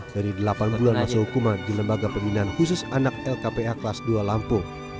dari delapan bulan masa hukuman di lembaga pembinaan khusus anak lkpa kelas dua lampung